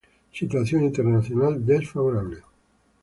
Situación internacional desfavorable.